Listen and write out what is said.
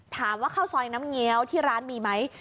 ถามว่าข้าวซอยน้ำแง๊วที่ร้านมีไหม